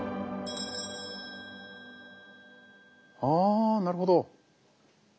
あなるほど！